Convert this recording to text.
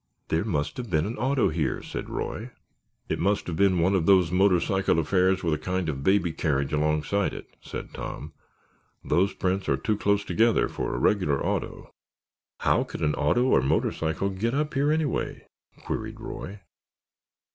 "There must have been an auto here," said Roy. "It must have been one of those motor cycle affairs with a kind of a baby carriage alongside it," said Tom. "Those prints are too close together for a regular auto." "How could an auto or a motor cycle get up here, anyway?" queried Roy.